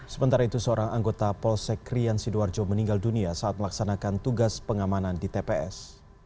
sementara itu seorang anggota polsek rian sidoarjo meninggal dunia saat melaksanakan tugas pengamanan di tps